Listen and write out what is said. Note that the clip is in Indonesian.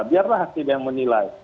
biarlah hasilnya yang menilai